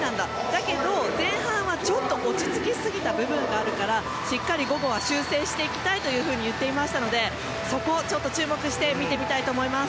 だけど、前半はちょっと落ち着きすぎた部分があるからしっかり午後は修正していきたいと言っていましたのでそこを注目して見てみたいと思います。